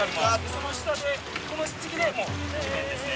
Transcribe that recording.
その下でこの次でもう地面ですね。